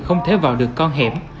không thể vào được con hẻm